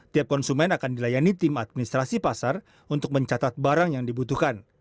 tiap konsumen akan dilayani tim administrasi pasar untuk mencatat barang yang dibutuhkan